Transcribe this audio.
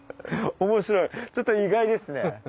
面白いちょっと意外ですね。